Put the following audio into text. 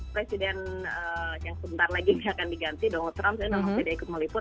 presiden yang sebentar lagi tidak akan diganti donald trump saya tidak mau ikut meliput